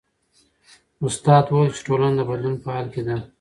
استاد وویل چې ټولنه د بدلون په حال کې ده.